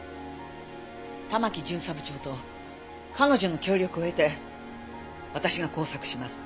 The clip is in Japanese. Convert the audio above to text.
玉城巡査部長と彼女の協力を得て私が工作します。